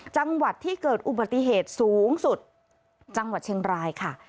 จังหวัดที่เกิดอุบัติเหตุสูงสุดจังหวัดเชียงรายค่ะ